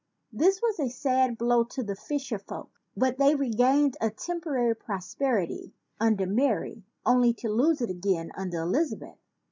This was a sad blow to the fisher folk; but they regained a temporary prosperity under Mary, only to lose it again under Elizabeth.